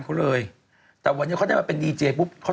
คือเขารักในอาชีพที่เขาทำ